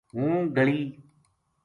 ہوں گلی